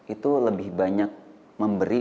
itu lebih banyak memberi